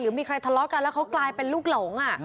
มีใครทะเลาะกันแล้วเขากลายเป็นลูกหลง